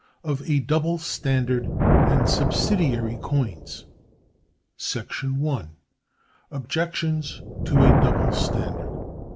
Of A Double Standard And Subsidiary Coins. § 1. Objections to a Double Standard.